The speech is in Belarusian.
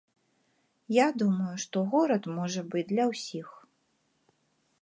Я думаю, што горад можа быць для ўсіх.